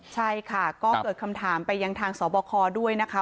ใช่ค่ะก็เกิดคำถามไปยังทางสบคด้วยนะคะ